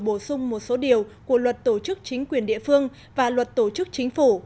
bổ sung một số điều của luật tổ chức chính quyền địa phương và luật tổ chức chính phủ